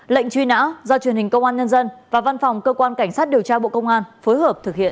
lệnh truy nã do truyền hình công an nhân dân và văn phòng cơ quan cảnh sát điều tra bộ công an phối hợp thực hiện